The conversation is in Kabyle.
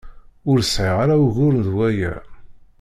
Ur sɛiɣ ara ugur d waya.